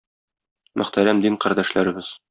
Мөхтәрәм дин кардәшләребез!